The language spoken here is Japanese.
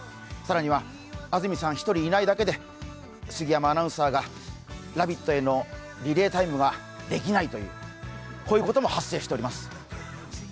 更には安住さん一人いないだけで杉山アナウンサーが「ラヴィット！」へのリレータイムができないというこういうことも発生しております。